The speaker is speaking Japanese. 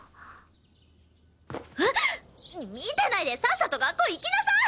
見てないでさっさと学校行きなさい！